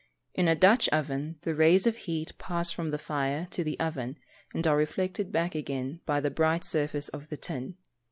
In a Dutch oven the rays of heat pass from the fire to the oven, and are reflected back again by the bright surface of the tin.